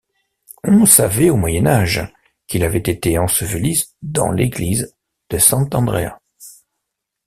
On savait au Moyen Âge qu'il avait été enseveli dans l'église de sant'Andrea.